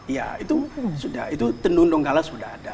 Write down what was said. ya itu sudah tenun donggala sudah ada